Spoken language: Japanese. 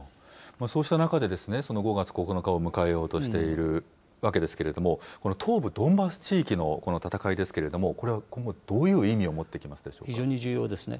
そうした中で、その５月９日を迎えようとしているわけですけれども、東部ドンバス地域での戦いですけれども、これは今後、どういう意非常に重要ですね。